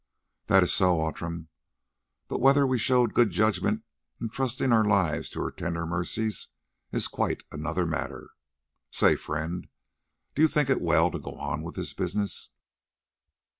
"That is so, Outram, but whether we showed good judgment in trusting our lives to her tender mercies is quite another matter. Say, friend, do you think it well to go on with this business?"